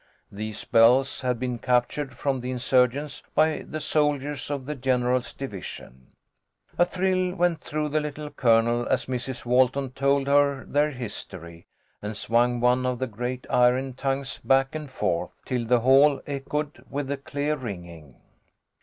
These bells had been captured from the insurgents by the soldiers of the general's divi THE HOME OF A HERO. 173 sion. A thrill went through the Little Colonel as Mrs. Walton told her their history, and swung one of the great iron tongues back and forth till the hall echoed with the clear ringing.